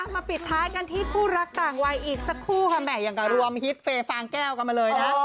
ปิดท้ายกันที่คู่รักต่างวัยอีกสักคู่ค่ะแห่อย่างกับรวมฮิตเฟย์ฟางแก้วกันมาเลยนะ